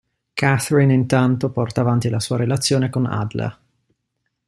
Katherine intanto porta avanti la sua relazione con Adler.